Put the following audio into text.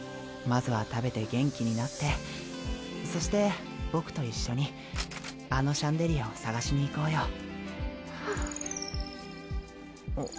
まずは食べて元気になってそして僕と一緒にあのシャンデリアを探しに行こうよ。